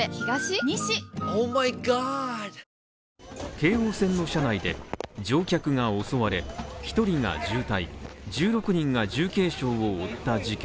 京王線の車内で乗客が襲われ、１人が重体、１６人が重軽傷を負った事件。